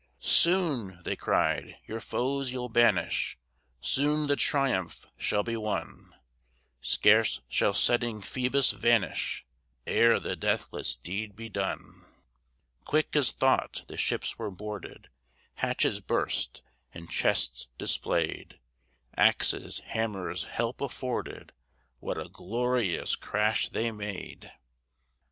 "Soon," they cried, "your foes you'll banish, Soon the triumph shall be won; Scarce shall setting Phoebus vanish, Ere the deathless deed be done." Quick as thought the ships were boarded, Hatches burst and chests displayed; Axes, hammers help afforded; What a glorious crash they made.